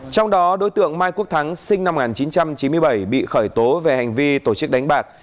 trong đó đối tượng mai quốc thắng sinh năm một nghìn chín trăm chín mươi bảy bị khởi tố về hành vi tổ chức đánh bạc